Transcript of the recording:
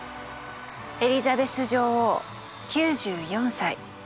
エリザベス女王９４歳。